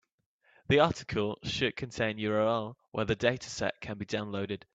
The article should contain URL where the dataset can be downloaded.